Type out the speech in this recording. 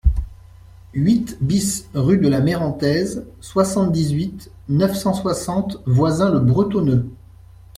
huit BIS rue de la Mérantaise, soixante-dix-huit, neuf cent soixante, Voisins-le-Bretonneux